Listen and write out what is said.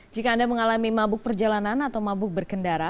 jika anda mengalami mabuk perjalanan atau mabuk berkendara